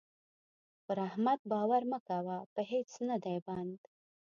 پر احمد باور مه کوه؛ په هيڅ نه دی بند.